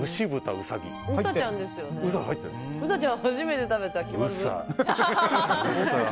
ウサちゃん、初めて食べた今日。